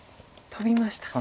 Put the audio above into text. トビました。